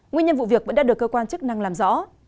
nguyên nhân vụ việc vẫn đang được cơ quan chức năng làm rõ